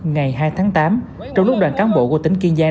ngày hai tháng tám trong lúc đoàn cán bộ của tỉnh kiên giang